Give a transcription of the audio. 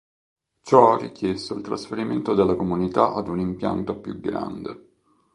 Ciò ha richiesto il trasferimento della comunità ad un impianto più grande.